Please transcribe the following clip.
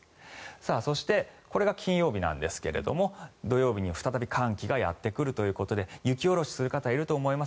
そして、これが金曜日なんですが土曜日に再び寒気がやってくるということで雪下ろしをする方いると思います。